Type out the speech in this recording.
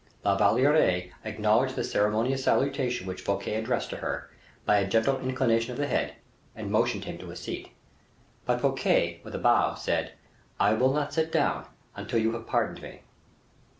La Valliere acknowledged the ceremonious salutation which Fouquet addressed to her by a gentle inclination of the head, and motioned him to a seat. But Fouquet, with a bow, said, "I will not sit down until you have pardoned me."